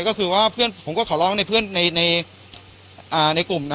ก็คือว่าเพื่อนผมก็ขอร้องในกลุ่มนะครับ